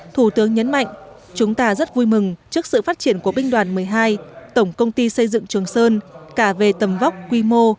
thủ tướng nhấn mạnh chúng ta rất vui mừng trước sự phát triển của binh đoàn một mươi hai tổng công ty xây dựng trường sơn cả về tầm vóc quy mô